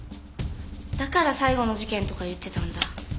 だから最後の事件とか言ってたんだ。